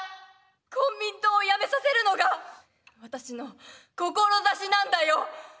困民党をやめさせるのが私の志なんだよ。